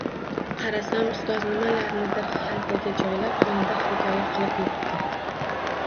Qarasam, ustoz nimalarnidir xaltalarga joylab, xonada xirgoyi qilib yuribdi.